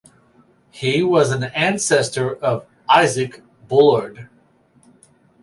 He was an ancestor of Isaac Bullard.